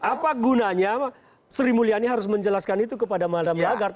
apa gunanya sri mulyani harus menjelaskan itu kepada madam lagarde